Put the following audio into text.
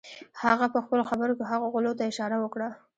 هغه پهخپلو خبرو کې هغو غلو ته اشاره وکړه.